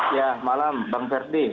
ya malam bang ferdi